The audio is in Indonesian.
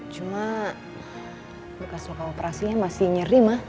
cuma bekas loka operasinya masih nyeri ma